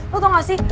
lo tau gak sih